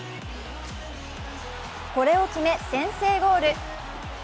これを決め、先制ゴール。